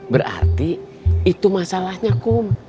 berarti itu masalahnya kum